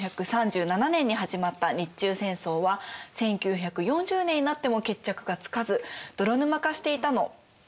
１９３７年に始まった日中戦争は１９４０年になっても決着がつかず泥沼化していたの。